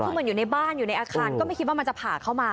คือเหมือนอยู่ในบ้านอยู่ในอาคารก็ไม่คิดว่ามันจะผ่าเข้ามา